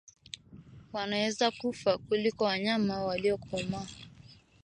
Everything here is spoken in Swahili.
wanaweza kufa kuliko wanyama waliokomaa